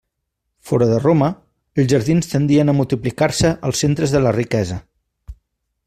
Fora de Roma, els jardins tendien a multiplicar-se als centres de la riquesa.